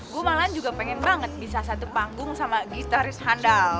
gue malahan juga pengen banget bisa satu panggung sama gitaris handal